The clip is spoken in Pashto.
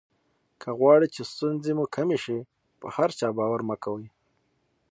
که غواړی چې ستونزې مو کمې شي په هر چا باور مه کوئ.